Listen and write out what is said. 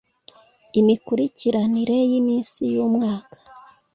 imikurikiranire y’iminsi y’umwaka